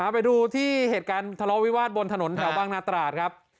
ไปดูที่เหตุการณ์ทะเลาะวิวาสบนถนนแถวบางนาตราดครับ